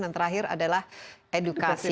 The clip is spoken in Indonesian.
dan terakhir adalah edukasi